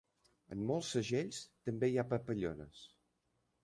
En molts segells també hi ha papallones.